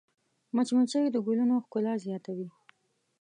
مچمچۍ د ګلونو ښکلا زیاتوي